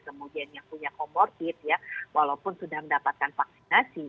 kemudian yang punya komortis walaupun sudah mendapatkan vaksinasi